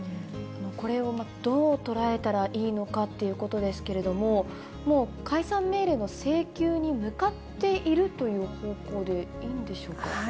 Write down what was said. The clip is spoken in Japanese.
これをどう捉えたらいいのかっていうことですけど、もう解散命令の請求に向かっているという方向でいいんでしょうか。